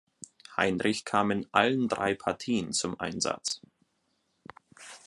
Heinrich kam in allen drei Partien zum Einsatz.